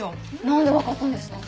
何で分かったんですか？